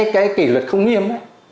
cái kỷ luật không nghiêm